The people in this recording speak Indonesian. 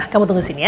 kamu tunggu sini ya